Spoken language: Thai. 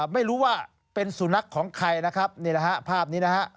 ไม่รู้ว่าเป็นสุนัขของใครนะครับนี่แหละฮะภาพนี้นะฮะ